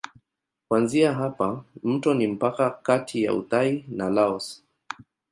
Kuanzia hapa mto ni mpaka kati ya Uthai na Laos.